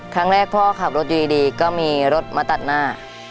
ครั้งแรกพ่อขับรถอยู่ดีก็มีรถมาตัดหน้า